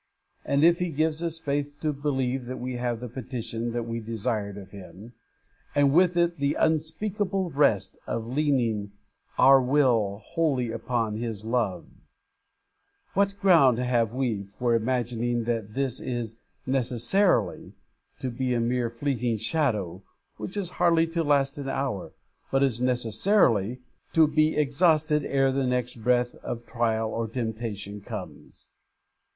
and if He gives us faith to believe that we have the petition that we desired of Him, and with it the unspeakable rest of leaning our will wholly upon His love, what ground have we for imagining that this is necessarily to be a mere fleeting shadow, which is hardly to last an hour, but is necessarily to be exhausted ere the next breath of trial or temptation comes?